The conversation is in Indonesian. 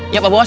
ya pak bos